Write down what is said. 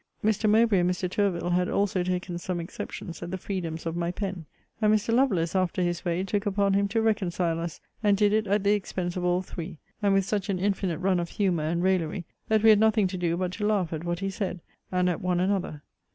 Mr. Mowbray and Mr. Tourville had also taken some exceptions at the freedoms of my pen; and Mr. Lovelace, after his way, took upon him to reconcile us; and did it at the expense of all three; and with such an infinite run of humour and raillery, that we had nothing to do but to laugh at what he said, and at one another.